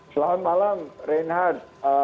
selamat malam reinhard